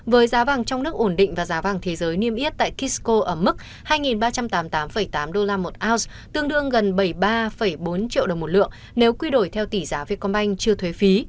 với giá vàng trong nước ổn định và giá vàng thế giới niêm yết tại kisco ở mức hai ba trăm tám mươi tám tám đô la một ounce tương đương gần bảy mươi ba bốn triệu đồng một lượng nếu quy đổi theo tỷ giá vietcombank chưa thuê phí